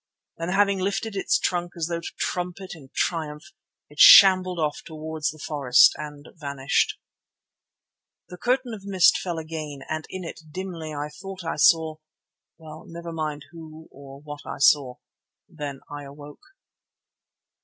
Then having lifted its trunk as though to trumpet in triumph, it shambled off towards the forest and vanished. The curtain of mist fell again and in it, dimly, I thought I saw—well, never mind who or what I saw. Then I awoke.